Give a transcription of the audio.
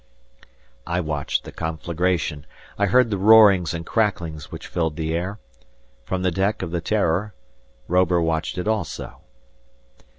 I watched the conflagration. I heard the roarings and cracklings which filled the air. From the deck of the "Terror," Robur watched it also.